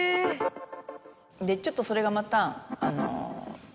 でちょっとそれがまた。